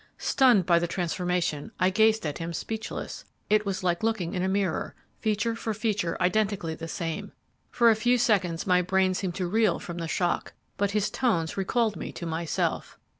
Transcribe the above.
Stunned by the transformation, I gazed at him speechless; it was like looking in a mirror, feature for feature identically the same! For a few seconds my brain seemed to reel from the shock, but his tones recalled me to myself.